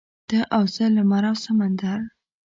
ته او زه لمر او سمندر.